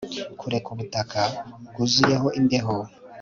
kureka ubutaka bwuzuyeho imbeho